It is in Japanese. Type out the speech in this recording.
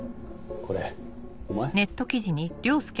これお前？